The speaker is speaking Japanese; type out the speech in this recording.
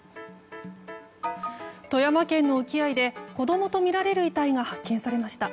富山県の沖合で子供とみられる遺体が発見されました。